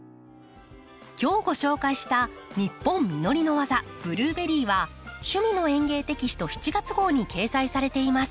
今日ご紹介した「ニッポン実りのわざブルーベリー」は「趣味の園芸」テキスト７月号に掲載されています。